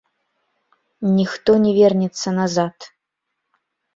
Ніхто не вернецца назад.